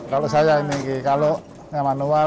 kalau saya ini kalau yang manual